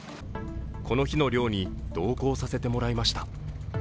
この日の漁に同行させてもらいました。